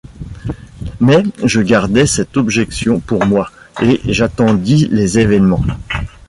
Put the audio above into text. Mais je gardai cette objection pour moi, et j’attendis les événements.